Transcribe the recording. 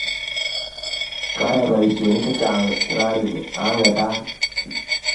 Kayai poisyonik chechang' rauni, aang'etat.